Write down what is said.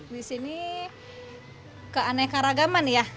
disini keaneka ragaman ya